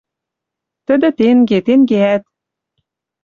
Тӹдӹ тенге, тӹнгеӓт